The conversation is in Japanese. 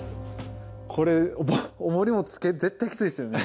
これおもりもつけ絶対キツイですよね。